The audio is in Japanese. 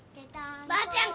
ばあちゃん